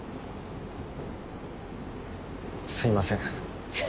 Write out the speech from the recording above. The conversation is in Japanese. すいません。